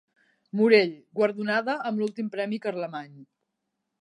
Morell, guardonada amb l'últim premi Carlemany.